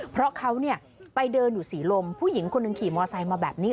เพราะเขาไปเดินอยู่ศรีลมผู้หญิงคนหนึ่งขี่มอไซค์มาแบบนี้